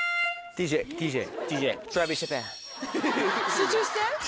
集中して。